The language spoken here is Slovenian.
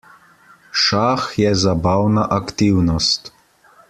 Šah je zabavna aktivnost.